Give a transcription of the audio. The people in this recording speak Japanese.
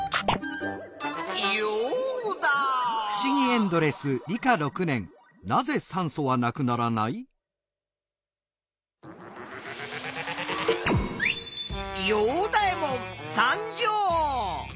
ヨウダ！ヨウダエモン参上！